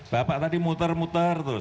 bapak tadi muter muter terus